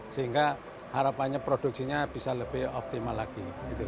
sehingga harapannya produksinya bisa lebih optimal lagi